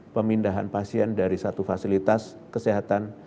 pemindahan pasien dari satu fasilitas kesehatan